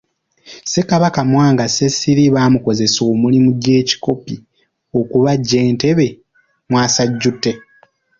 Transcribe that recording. Ssekabaka Mwanga Ssisiri baamukozesa omulimu gy’ekikopi gw'okubajja ntebe mwasajjute.